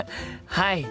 はい。